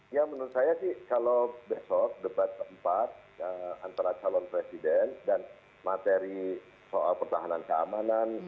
ya menurut saya sih kalau besok debat keempat antara calon presiden dan materi soal pertahanan keamanan